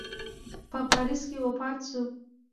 په پاریس کې وفات سو.